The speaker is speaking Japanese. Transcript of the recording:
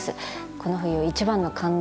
この冬一番の感動